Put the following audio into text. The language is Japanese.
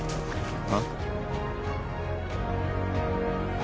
あっ？